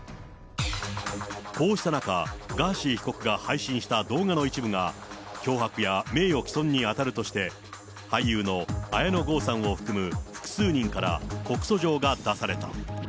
こうした中、ガーシー被告が配信した動画の一部が、脅迫や名誉棄損に当たるとして、俳優の綾野剛さんを含む複数人から告訴状が出された。